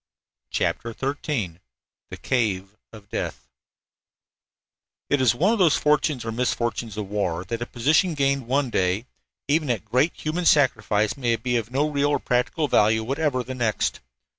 CHAPTER XIII THE CAVE OF DEATH It is one of the fortunes, or misfortunes, of war that a position gained one day, even at great human sacrifice, may be of no real or practical value whatever the next.